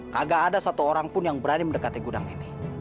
kagak ada satu orang pun yang berani mendekati gudang ini